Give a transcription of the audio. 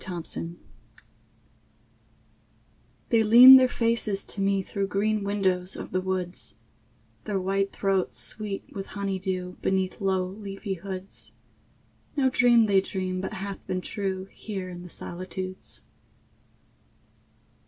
SECOND SIGHT They lean their faces to me through Green windows of the woods; Their white throats sweet with honey dew Beneath low leafy hoods No dream they dream but hath been true Here in the solitudes.